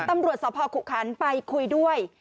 ตำรวจสภขุขันไปคุยด้วย